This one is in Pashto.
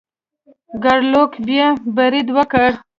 ګارلوک بیا برید وکړ.